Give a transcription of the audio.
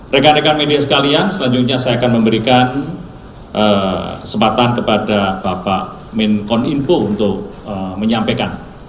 rekan rekan media sekalian selanjutnya saya akan memberikan kesempatan kepada bapak menkom info untuk menyampaikan